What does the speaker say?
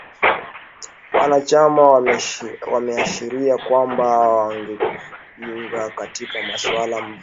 Wanachama wameashiria kwamba wangempinga katika masuala mbali mbali